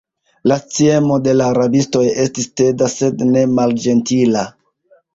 La sciemo de la rabistoj estis teda, sed ne malĝentila.